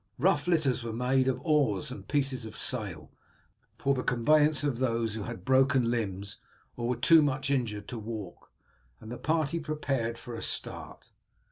Rough litters were made of oars and pieces of sail, for the conveyance of those who had broken limbs or were too much injured to walk, and the party prepared for a start.